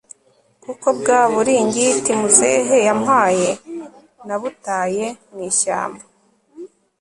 kuko bwaburingiti muzehe yampaye nabutaye mwishyamba